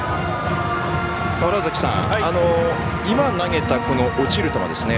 今投げた、落ちる球。